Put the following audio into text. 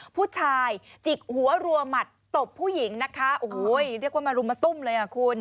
ผู้ชายจิกหัวรัวหมัดตบผู้หญิงนะคะโอ้โหเรียกว่ามารุมมาตุ้มเลยอ่ะคุณ